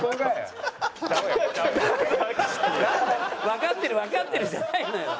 わかってるわかってるじゃないのよ！